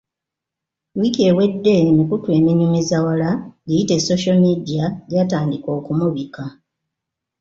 Wiiki ewedde, emikutu eminyumiza wala giyite Social Media, gyatandika okumubika.